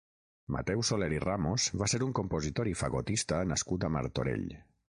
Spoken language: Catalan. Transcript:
Mateu Soler i Ramos va ser un compositor i fagotista nascut a Martorell.